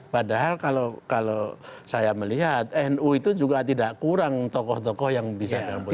padahal kalau saya melihat nu itu juga tidak kurang tokoh tokoh yang bisa dalam posisi